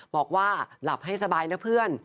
บอกว่าหลับให้สบายนะเพื่อน